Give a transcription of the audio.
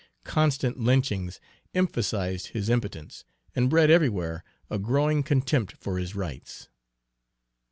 Constant lynchings emphasized his impotence, and bred everywhere a growing contempt for his rights.